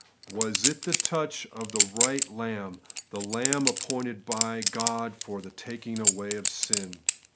Was it the touch of the right lamb, — the lamb appointed by God for the taking away of sin